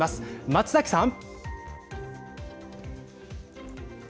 松崎さん。